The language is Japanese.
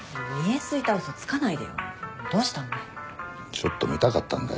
ちょっと見たかったんだよ